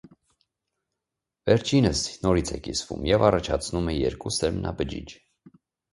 Վերջինս նորից է կիսվում և առաջացնում է երկու սերմնաբջիջ։